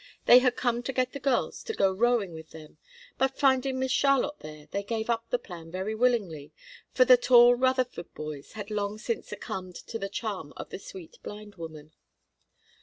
They had come to get the girls to go rowing with them, but finding Miss Charlotte there they gave up the plan very willingly, for the tall Rutherford boys had long since succumbed to the charm of the sweet blind woman.